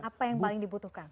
apa yang paling dibutuhkan